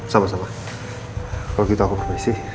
sama sama kalau gitu aku permisi